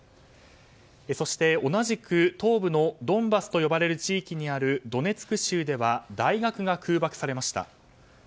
そして同じく、東部のドンバスと呼ばれる地域にあるドネツク州では大学が空爆されました。